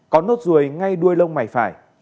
có nốt ruồi ngay đuôi lông mày phải